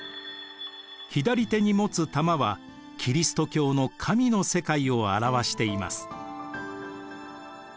左手に持つ玉はキリスト教の神の世界を表しています。